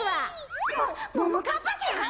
もももかっぱちゃん？